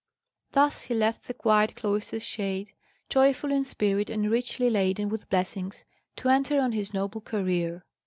Thus he left the quiet cloister's shade, joyful in spirit and richly laden with blessings, to enter on his noble career.